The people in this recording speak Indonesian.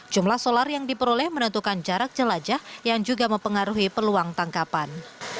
jumlah solar yang diperoleh menentukan jarak jelajah yang juga mempengaruhi peluang tangkapan